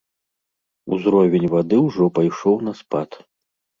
Узровень вады ўжо пайшоў на спад.